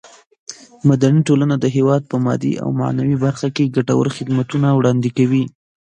مدني ټولنه د هېواد په مادي او معنوي برخه کې ګټور خدمتونه وړاندې کوي.